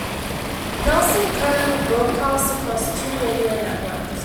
Nelson currently broadcasts across two radio networks.